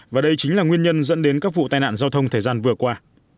và đây chính là nguyên nhân dẫn đến các vụ tai nạn giao thông thời gian vừa qua